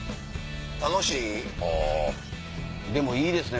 楽しい？でもいいですね